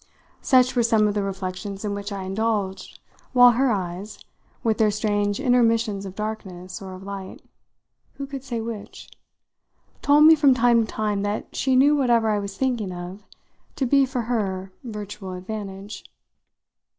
Such were some of the reflections in which I indulged while her eyes with their strange intermissions of darkness or of light: who could say which? told me from time to time that she knew whatever I was thinking of to be for her virtual advantage.